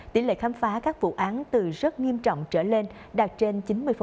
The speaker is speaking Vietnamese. tỷ lệ khám phá các vụ án từ rất nghiêm trọng trở lên đạt trên chín mươi